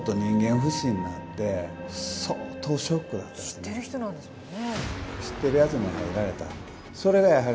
知ってる人なんですもんね。